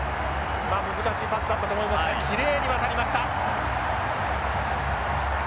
まあ難しいパスだったと思いますがきれいに渡りました。